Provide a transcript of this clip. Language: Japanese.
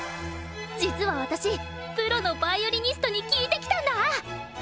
実は私プロのヴァイオリニストに聞いてきたんだ！